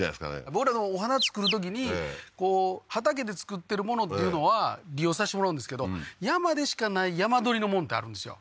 僕らがお花作るときに畑で作ってるものっていうのは利用さしてもらうんですけど山でしかない山採りのもんってあるんですよ